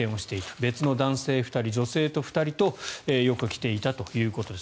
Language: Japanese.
別の男性２人、女性２人とよく来ていたということです。